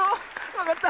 わかった。